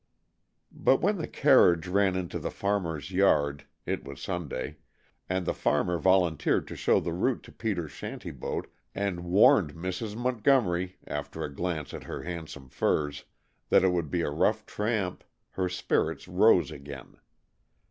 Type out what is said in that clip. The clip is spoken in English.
But when the carriage ran into the farmer's yard it was Sunday and the farmer volunteered to show the route to Peter's shanty boat, and warned Mrs. Montgomery, after a glance at her handsome furs, that it would be a rough tramp, her spirits rose again.